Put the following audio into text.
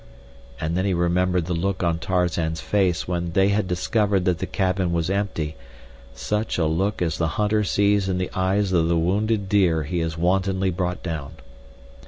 And then he remembered the look on Tarzan's face when they had discovered that the cabin was empty—such a look as the hunter sees in the eyes of the wounded deer he has wantonly brought down.